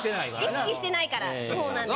意識してないからそうなんです。